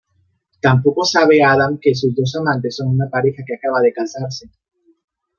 Tampoco sabe Adam que sus dos amantes son una pareja que acaba de casarse.